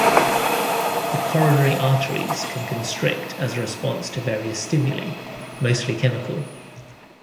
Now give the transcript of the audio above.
The coronary arteries can constrict as a response to various stimuli, mostly chemical.